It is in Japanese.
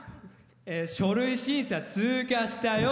書類審査、通過したよ！